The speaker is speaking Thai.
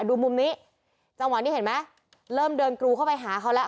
ดูมุมนี้จังหวะนี้เห็นไหมเริ่มเดินกรูเข้าไปหาเขาแล้ว